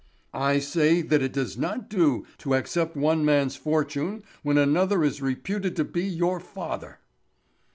"I say that it does not do to accept one man's fortune when another is reputed to be your father."